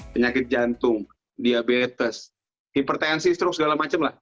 penyakit jantung diabetes hipertensi stroke segala macam lah